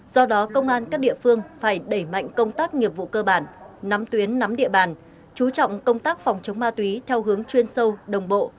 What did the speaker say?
do đó công an các địa phương phải đẩy mạnh công tác nghiệp vụ cơ bản nắm tuyến nắm địa bàn chú trọng công tác phòng chống ma túy theo hướng chuyên sâu đồng bộ